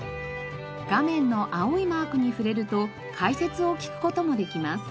画面の青いマークに触れると解説を聞く事もできます。